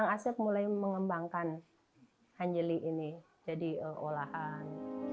kang asep mulai mengembangkan hanjeli ini jadi olahan